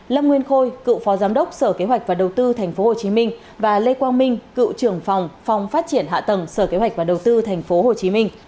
lâm nguyên khôi cựu phó giám đốc sở kế hoạch và đầu tư tp hcm và lê quang minh cựu trưởng phòng phòng phát triển hạ tầng sở kế hoạch và đầu tư tp hcm